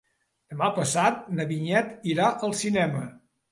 Demà passat na Vinyet irà al cinema.